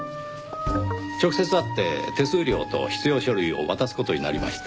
直接会って手数料と必要書類を渡す事になりました。